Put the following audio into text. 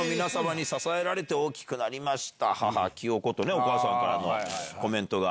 お母さんからのコメントが。